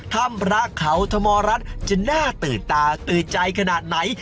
ถ้ำพระเขาธรรมรัฐจะน่าตื่นตาตื่นใจขนาดไหน